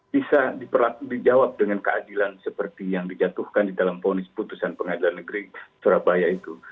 bisa dijawab dengan keadilan seperti yang dijatuhkan di dalam ponis putusan pengadilan negeri surabaya itu